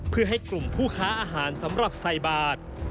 เพื่อให้กลุ่มผู้ค้าอาหารสำหรับใส่บาท